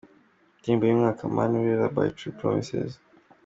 Indirimbo y’umwaka: Mana Urera by True Promises.